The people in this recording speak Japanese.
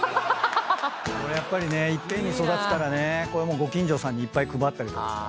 やっぱりねいっぺんに育つからねご近所さんに配ったりとか。